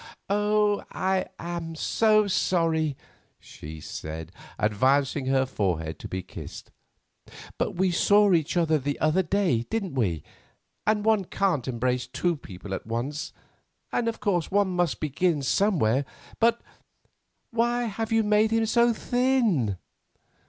"Oh! I am so sorry," she said, advancing her forehead to be kissed; "but we saw each other the other day, didn't we, and one can't embrace two people at once, and of course one must begin somewhere. But, why have you made him so thin?"